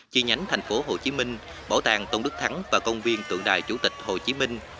chi nhánh tp hcm bảo tàng tôn đức thắng và công viên tượng đài chủ tịch hồ chí minh